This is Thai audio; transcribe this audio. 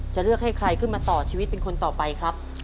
จะเลือกให้ใครขึ้นมาต่อชีวิตเป็นคนต่อไปครับ